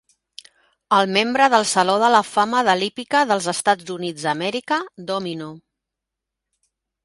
El membre del Saló de la Fama de l'Hípica dels EUA, Domino.